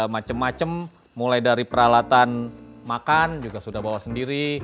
macem macem mulai dari peralatan makan juga sudah bawa sendiri